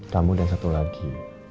kamu dan satu lagi